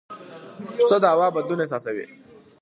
پسه د هوا بدلون احساسوي.